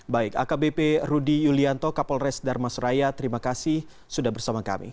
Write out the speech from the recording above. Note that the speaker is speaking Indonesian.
baik akbp rudy yulianto kapolres darmas raya terima kasih sudah bersama kami